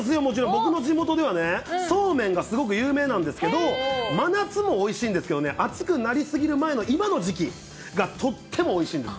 僕の地元ではね、そうめんがすごく有名なんですけど、真夏もおいしいんですけどね、暑くなりすぎる前の今の時期がとってもおいしいんです。